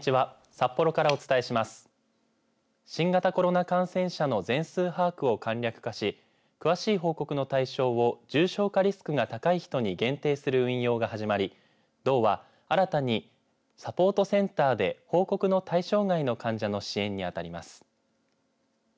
新型コロナ感染者の全数把握を簡略化し詳しい報告の対象を重症化リスクが高い人に限定する運用が始まり道は新たにサポートセンターで報告の対象外の患者の支援にあたります。